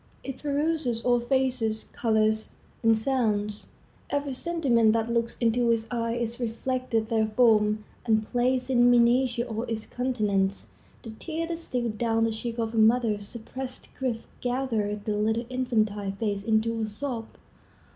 It peruses all faces, colors, and sounds. Every sentiment that looks into its eye is reflected therefrom, and plays in miniature on its countenance. The tear that steals down the cheek of a mother's suppressed grief gathers the little infantile face into a sob.